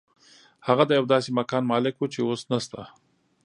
هغه د یو داسې مکان مالک و چې اوس نشته